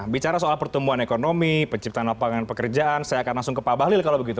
bicara soal pertumbuhan ekonomi penciptaan lapangan pekerjaan saya akan langsung ke pak bahlil kalau begitu